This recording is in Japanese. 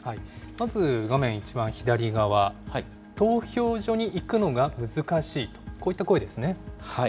まず、画面一番左側、投票所に行くのが難しいと、こういった声ですね。